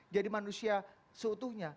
jadi manusia seutuhnya